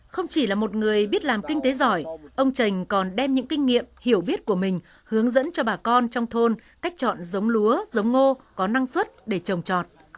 không chỉ là một người biết làm kinh tế giỏi ông trành còn đem những kinh nghiệm hiểu biết của mình hướng dẫn cho bà con trong thôn cách chọn giống lúa giống ngô có năng suất để trồng trọt